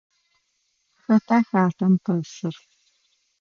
Xэтa хатэм пэсыр?